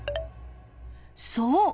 そう！